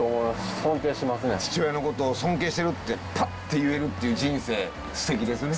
父親のことを尊敬しているってパッて言えるっていう人生すてきですね。